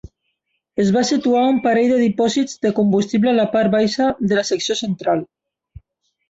Es va situar un parell de dipòsits de combustible a la part baixa de la secció central.